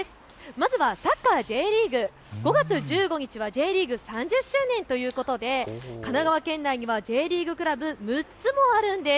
まずはサッカーＪリーグ、５月１５日はＪリーグ３０周年ということで神奈川県内にはＪリーグクラブ、６つもあるんです。